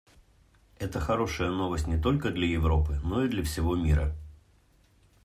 Это хорошая новость не только для Европы, но и для всего мира.